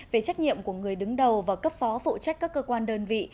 về trách nhiệm của người đứng đầu và cấp phó phụ trách các cơ quan đơn vị